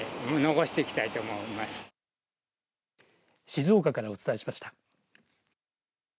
静岡からお伝えしました。